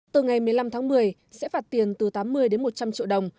từ ngày một mươi năm tháng một mươi sẽ phạt tiền từ tám mươi đến một trăm linh triệu đồng